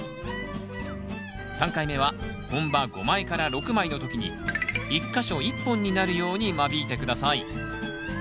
３回目は本葉５枚から６枚の時に１か所１本になるように間引いて下さい。